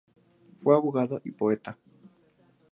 Fue abogado y poeta.